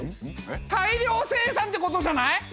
大量生産ってことじゃない？